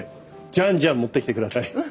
じゃんじゃん持ってきてください。